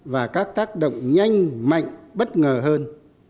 và các tác động nhanh mạnh bất ngờ hơn